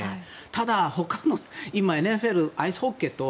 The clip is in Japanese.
ただ、ほかの今ＮＦＬ、アイスホッケーと